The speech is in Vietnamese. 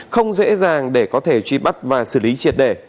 không dễ dàng để có thể truy bắt và xử lý triệt đề